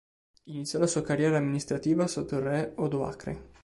Iniziò la sua carriera amministrativa sotto il re Odoacre.